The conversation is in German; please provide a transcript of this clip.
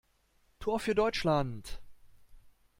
Tor für Deutschland!